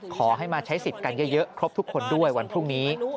ขอให้มาใช้สิทธิ์กันเยอะครบทุกคนด้วยวันพรุ่งนี้